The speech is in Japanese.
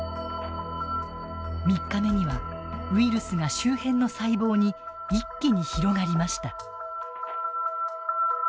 ３日目には、ウイルスが周辺の細胞に一気に広がりました。